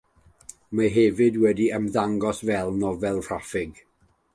Mae hefyd wedi ymddangos fel nofel raffig.